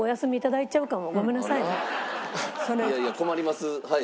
いやいや困りますはい。